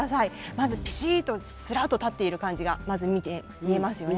まずピシッとスラッと立っている感じがまず見えますよね。